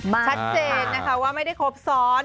มากค่ะค่ะชัดเจนนะคะว่าไม่ได้ครบซ้อน